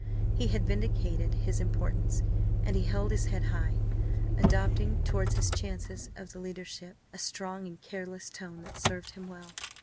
He had vindicated his importance, and he held his head high, adopting towards his chances of the leadership a strong and careless tone that served him well.